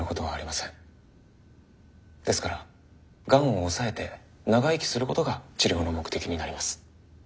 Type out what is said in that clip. ですからがんを抑えて長生きすることが治療の目的になります。